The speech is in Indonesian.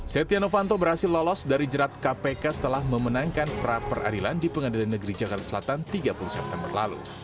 setia novanto berhasil lolos dari jerat kpk setelah memenangkan pra peradilan di pengadilan negeri jakarta selatan tiga puluh september lalu